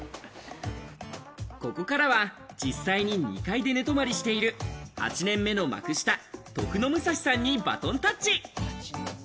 ここからは実際に２階で寝泊りしている８年目の幕下・徳之武藏さんにバトンタッチ。